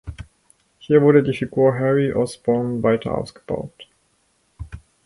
Hier wurde die Figur Harry Osbornes weiter ausgebaut.